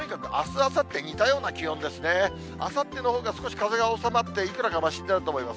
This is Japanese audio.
あさってのほうが少し風が収まって、いくらかましになると思います。